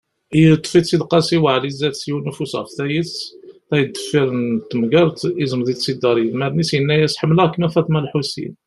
Yeṭṭef-itt-id Qasi waɛli zdat-s, yiwen ufus ɣef wayet, tayeḍ deffir n temgerḍt, iẓmeḍ-itt-id ar yidmaren-is, yenna-yas: Ḥemmleɣ-kem a Faḍma lḥusin.